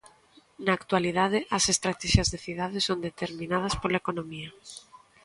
Na actualidade as estratexias de cidade son determinadas pola economía.